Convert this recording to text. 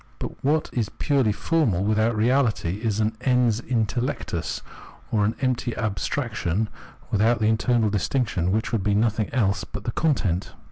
But what is purely formal without reahty is an ens intellectus, or empty abstrac tion without the internal distinction which would be nothing else but the content.